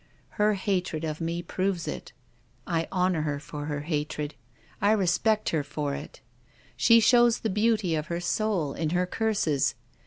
Her hatred of me proves it. I honour her for her hatred. I respect her for it ! She shows the beauty of her soul in her curses.